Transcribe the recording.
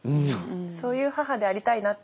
そういう母でありたいなって。